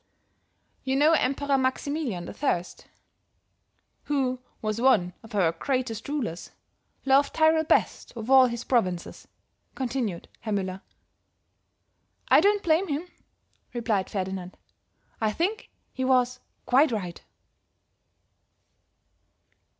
"You know Emperor Maximilian I, who was one of our greatest rulers, loved Tyrol best of all his provinces," continued Herr Müller. "I don't blame him," replied Ferdinand, "I think he was quite right."